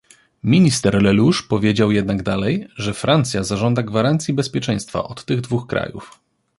Minister Lellouche powiedział jednak dalej, że Francja zażąda gwarancji bezpieczeństwa od tych dwóch krajów